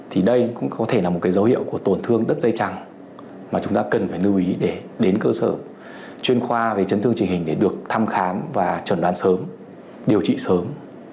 thì đây cũng có thể là một cái dấu hiệu của tổn thương đất dây chẳng mà chúng ta cần phải lưu ý để đến cơ sở chuyên khoa về chấn thương trình hình để được thăm khám và trần đoán sớm điều trị sớm